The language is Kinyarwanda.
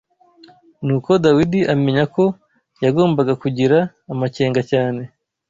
Nuko Dawidi amenya ko yagombaga kugira amakenga cyane